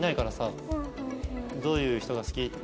「どういう人が好き？」